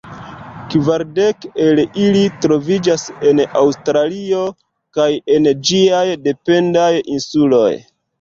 Kvar dek el ili troviĝas en Aŭstralio kaj en ĝiaj dependaj insuloj.